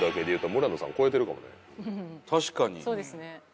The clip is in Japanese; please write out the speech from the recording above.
確かに。